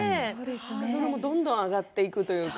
ハードルもどんどん上がっていくというか。